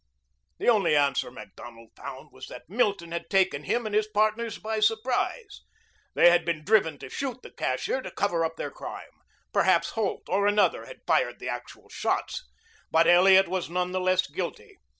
The only answer Macdonald found was that Milton had taken him and his partners by surprise. They had been driven to shoot the cashier to cover up their crime. Perhaps Holt or another had fired the actual shots, but Elliot was none the less guilty.